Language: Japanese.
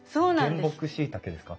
原木しいたけですか？